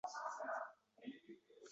Tosh ko’tarishni mashq qilgan yigitlar.